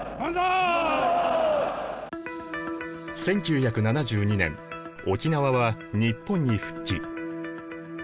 １９７２年沖縄は日本に復帰。